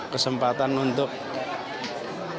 kesempatan untuk merasakan peredaran kegiatan itu